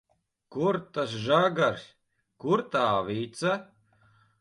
Kur tas žagars, kur tā vica?